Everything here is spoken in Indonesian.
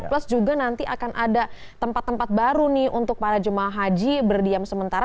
plus juga nanti akan ada tempat tempat baru nih untuk para jemaah haji berdiam sementara